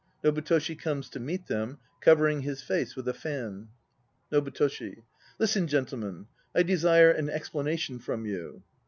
(NOBUTOSHI comes to meet them, covering his face with a fan.) NOBUTOSHI. Listen, gentlemen, I desire an explanation from you.